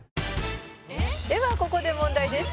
「ではここで問題です」